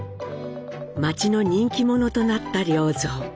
町の人気者となった良三。